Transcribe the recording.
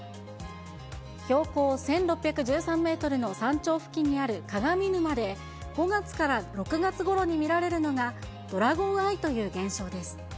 標高１６１３メートルの山頂付近にある鏡沼で、５月から６月ごろに見られるのがドラゴンアイという現象です。